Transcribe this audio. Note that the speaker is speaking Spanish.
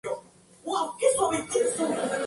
Se encuentra en Venezuela y Guayana.